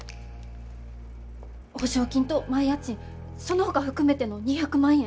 保証金と前家賃そのほか含めての２００万円。